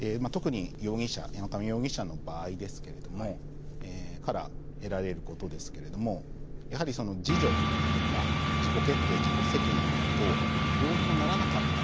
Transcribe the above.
特に山上容疑者の場合から得られることですけれどもやはり、自助とか自己決定自己責任だとどうにもならなかった。